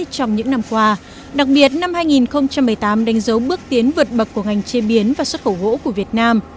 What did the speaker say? trong những năm qua đặc biệt năm hai nghìn một mươi tám đánh dấu bước tiến vượt bậc của ngành chế biến và xuất khẩu gỗ của việt nam